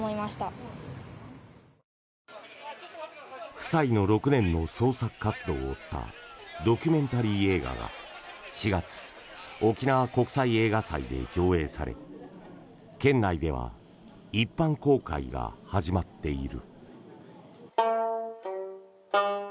夫妻の６年の創作活動を追ったドキュメンタリー映画が４月、沖縄国際映画祭で上映され県内では一般公開が始まっている。